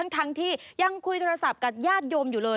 ทั้งที่ยังคุยโทรศัพท์กับญาติโยมอยู่เลย